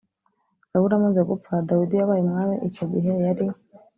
Sawuli amaze gupfa dawidi yabaye umwami icyo gihe yari